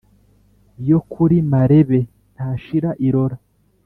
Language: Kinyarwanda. yo kuri marebe ntashira irora.